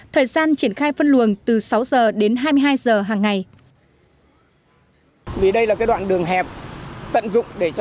thời gian triển khai phân luồng từ sáu giờ đến hai mươi hai giờ hàng ngày